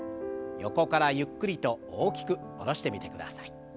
横からゆっくりと大きく下ろしてみてください。